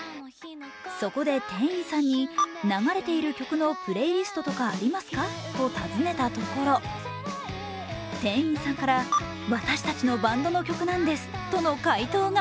そこで店員さんに流れている曲のプレイリストとかありますか？と尋ねたところ店員さんから、「私たちのバンドの曲なんです」との回答が。